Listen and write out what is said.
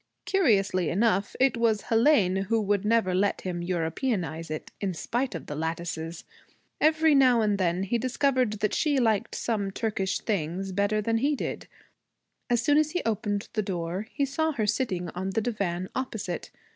Curiously enough it was Hélène who would never let him Europeanize it, in spite of the lattices. Every now and then he discovered that she liked some Turkish things better than he did. As soon as he opened the door he saw her sitting on the divan opposite.